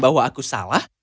bahwa aku salah